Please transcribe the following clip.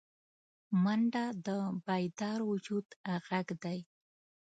منډه د بیدار وجود غږ دی